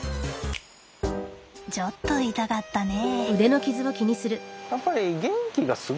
ちょっと痛かったね。